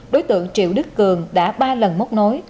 đối tượng triệu đức cường đã ba lần mốc nối